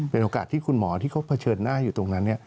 เป็นโอกาสที่คุณหมอที่เขาเผชิญหน้าอยู่ตรงนั้น